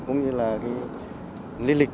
cũng như là cái linh lịch